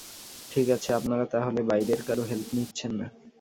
ঠিক আছে, আপনারা তাহলে বাইরের কারো হেল্প নিচ্ছেন না।